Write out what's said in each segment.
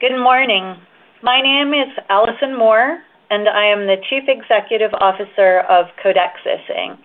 Good morning. My name is Alison Moore, and I am the Chief Executive Officer of Codexis Inc.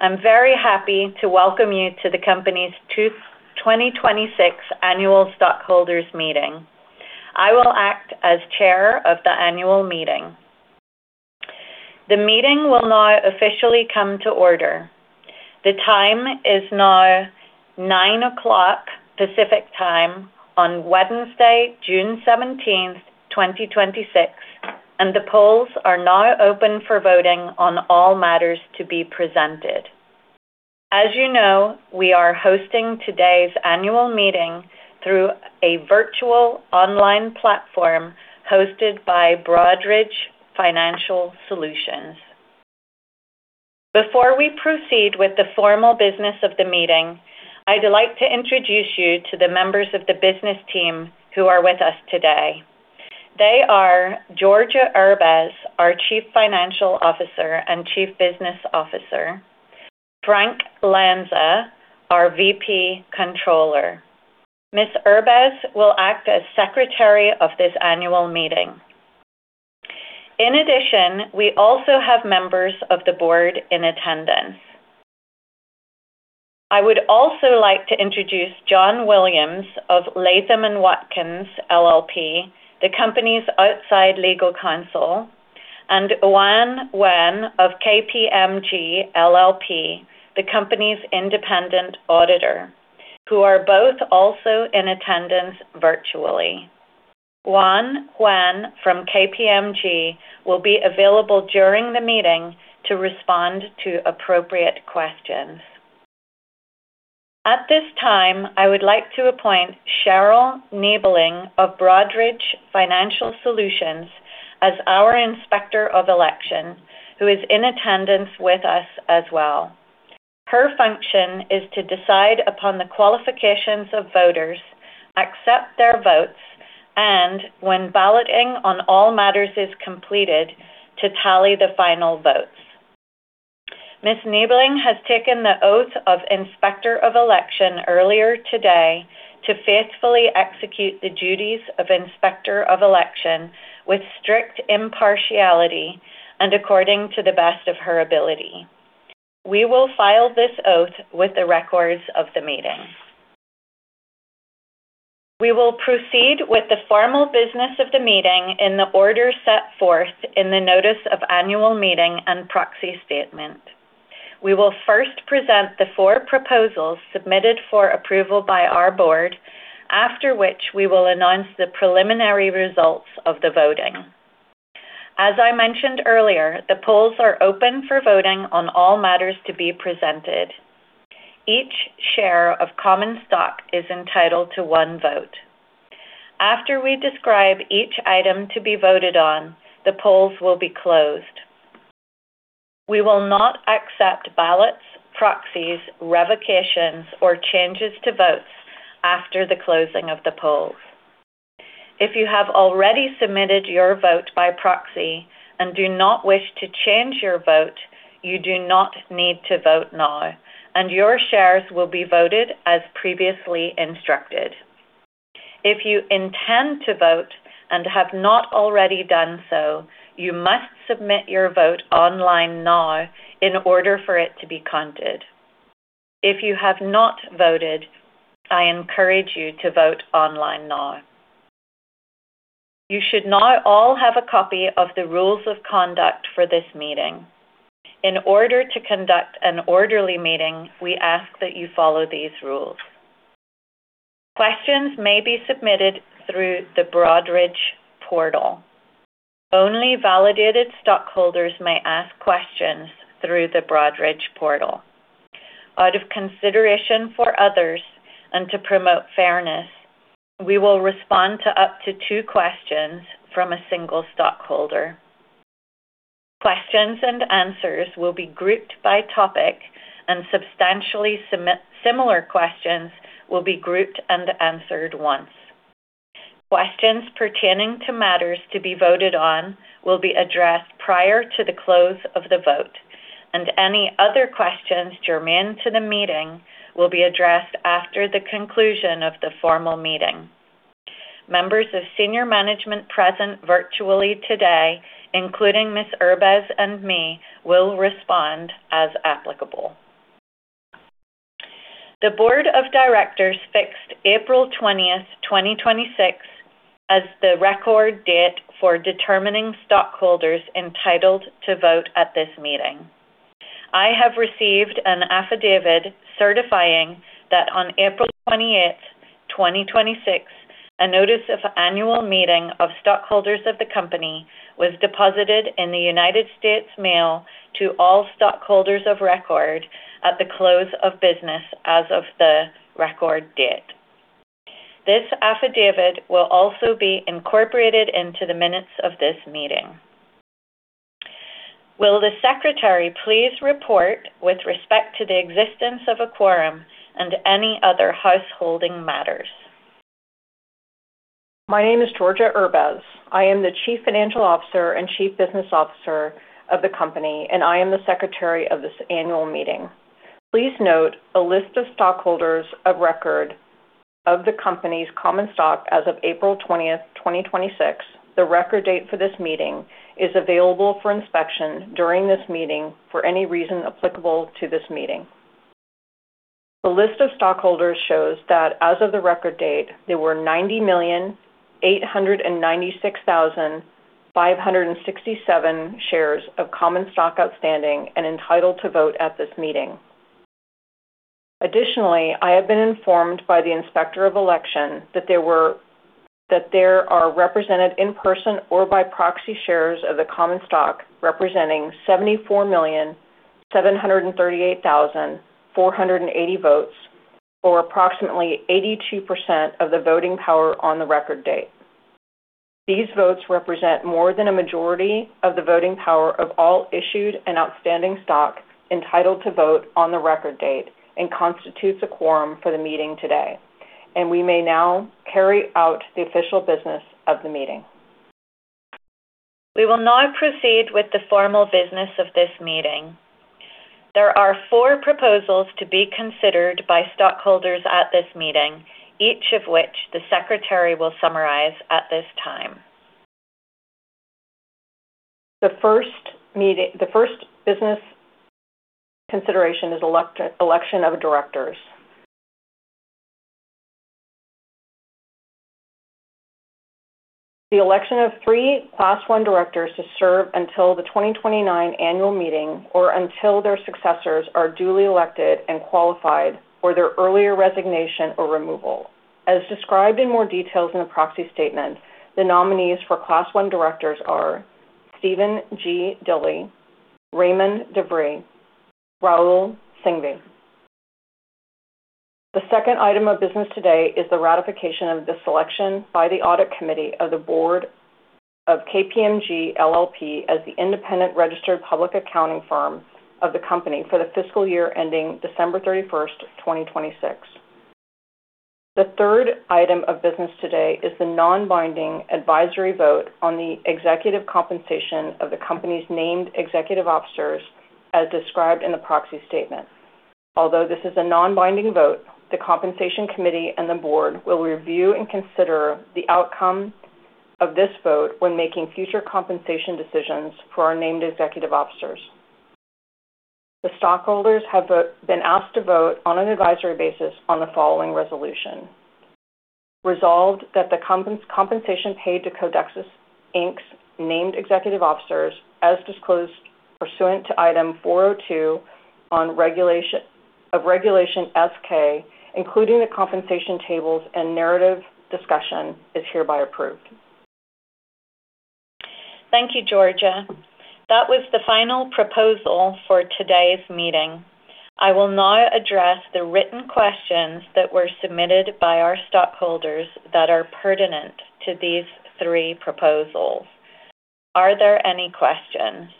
I'm very happy to welcome you to the company's 2026 annual stockholders meeting. I will act as Chair of the annual meeting. The meeting will now officially come to order. The time is now 9:00 A.M. Pacific Time on Wednesday, June 17th, 2026, and the polls are now open for voting on all matters to be presented. As you know, we are hosting today's annual meeting through a virtual online platform hosted by Broadridge Financial Solutions. Before we proceed with the formal business of the meeting, I'd like to introduce you to the members of the business team who are with us today. They are Georgia Erbez, our Chief Financial Officer and Chief Business Officer, Frank Lanza, our VP controller. Ms. Erbez will act as secretary of this Annual Meeting. In addition, we also have members of the board in attendance. I would also like to introduce John Williams of Latham & Watkins LLP, the company's outside Legal Counsel, and Juan Wen of KPMG LLP, the company's Independent Auditor, who are both also in attendance virtually. Juan Wen from KPMG will be available during the meeting to respond to appropriate questions. At this time, I would like to appoint Cheryl Niebling of Broadridge Financial Solutions as our Inspector of Election, who is in attendance with us as well. Her function is to decide upon the qualifications of voters, accept their votes, and when balloting on all matters is completed, to tally the final votes. Ms. Niebling has taken the Oath of Inspector of Election earlier today to faithfully execute the duties of Inspector of Election with strict impartiality and according to the best of her ability. We will file this oath with the records of the meeting. We will proceed with the formal business of the meeting in the order set forth in the notice of Annual Meeting and proxy statement. We will first present the four proposals submitted for approval by our board, after which we will announce the preliminary results of the voting. As I mentioned earlier, the polls are open for voting on all matters to be presented. Each share of common stock is entitled to one vote. After we describe each item to be voted on, the polls will be closed. We will not accept ballots, proxies, revocations, or changes to votes after the closing of the polls. If you have already submitted your vote by proxy and do not wish to change your vote, you do not need to vote now, and your shares will be voted as previously instructed. If you intend to vote and have not already done so, you must submit your vote online now in order for it to be counted. If you have not voted, I encourage you to vote online now. You should now all have a copy of the rules of conduct for this meeting. In order to conduct an orderly meeting, we ask that you follow these rules. Questions may be submitted through the Broadridge portal. Only validated stockholders may ask questions through the Broadridge portal. Out of consideration for others and to promote fairness, we will respond to up to two questions from a single stockholder. Questions-and-answers will be grouped by topic, and substantially similar questions will be grouped and answered once. Questions pertaining to matters to be voted on will be addressed prior to the close of the vote, and any other questions germane to the meeting will be addressed after the conclusion of the formal meeting. Members of senior management present virtually today, including Ms. Erbez and me, will respond as applicable. The Board of Directors fixed April 20th, 2026 as the record date for determining stockholders entitled to vote at this meeting. I have received an affidavit certifying that on April 20th, 2026, a notice of Annual Meeting of stockholders of the company was deposited in the United States mail to all stockholders of record at the close of business as of the record date. This affidavit will also be incorporated into the minutes of this meeting. Will the Secretary please report with respect to the existence of a quorum and any other householding matters? My name is Georgia Erbez. I am the Chief Financial Officer and Chief Business Officer of the company, and I am the Secretary of this Annual Meeting. Please note a list of stockholders of record of the company's common stock as of April 20th, 2026. The record date for this meeting is available for inspection during this meeting for any reason applicable to this meeting. The list of stockholders shows that as of the record date, there were 90,896,567 shares of common stock outstanding and entitled to vote at this meeting. Additionally, I have been informed by the Inspector of Election that there are represented in person or by proxy shares of the common stock representing 74,738,480 votes, or approximately 82% of the voting power on the record date. These votes represent more than a majority of the voting power of all issued and outstanding stock entitled to vote on the record date and constitutes a quorum for the meeting today. We may now carry out the official business of the meeting. We will now proceed with the formal business of this meeting. There are four proposals to be considered by stockholders at this meeting, each of which the secretary will summarize at this time. The first business consideration is election of directors. The election of three Class 1 directors to serve until the 2029 annual meeting or until their successors are duly elected and qualified for their earlier resignation or removal. As described in more details in the proxy statement, the nominees for Class 1 directors are Stephen G. Dilly, Raymond De Vré, Rahul Singhvi. The second item of business today is the ratification of the selection by the Audit Committee of the Board of KPMG LLP as the independent registered public accounting firm of the company for the fiscal year ending December 31, 2026. The third item of business today is the non-binding advisory vote on the executive compensation of the company's named executive officers, as described in the proxy statement. Although this is a non-binding vote, the Compensation Committee and the Board will review and consider the outcome of this vote when making future compensation decisions for our named executive officers. The stockholders have been asked to vote on an advisory basis on the following resolution. Resolved that the compensation paid to Codexis Inc's named executive officers as disclosed pursuant to Item 402 of Regulation S-K, including the compensation tables and narrative discussion, is hereby approved. Thank you, Georgia. That was the final proposal for today's meeting. I will now address the written questions that were submitted by our stockholders that are pertinent to these three proposals. Are there any questions?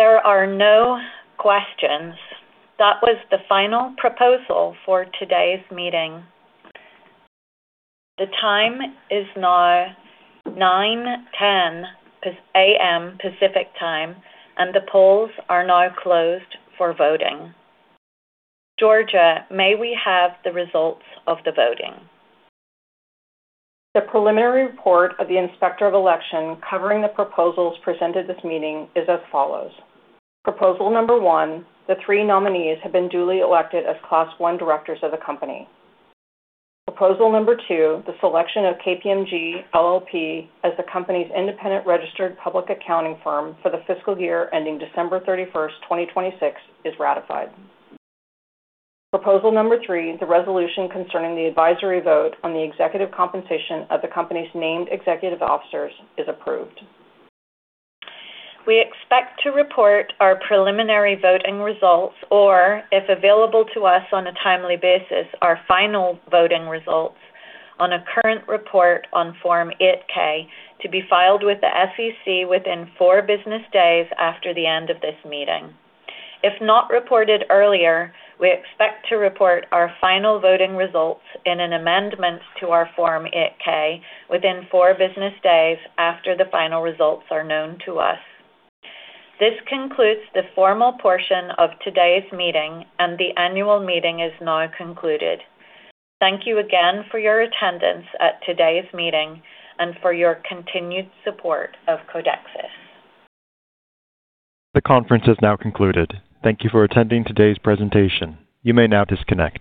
There are no questions. That was the final proposal for today's meeting. The time is now 9:10 A.M. Pacific Time, and the polls are now closed for voting. Georgia, may we have the results of the voting? The preliminary report of the Inspector of Election covering the proposals presented this meeting is as follows. Proposal number one, the three nominees have been duly elected as Class 1 directors of the company. Proposal number two, the selection of KPMG LLP as the company's independent registered public accounting firm for the fiscal year ending December 31, 2026, is ratified. Proposal number three, the resolution concerning the advisory vote on the executive compensation of the company's named executive officers is approved. We expect to report our preliminary voting results, or if available to us on a timely basis, our final voting results on a current report on Form 8-K to be filed with the SEC within four business days after the end of this meeting. If not reported earlier, we expect to report our final voting results in an amendment to our Form 8-K within four business days after the final results are known to us. This concludes the formal portion of today's meeting, and the Annual Meeting is now concluded. Thank you again for your attendance at today's meeting and for your continued support of Codexis. The conference has now concluded. Thank you for attending today's presentation. You may now disconnect.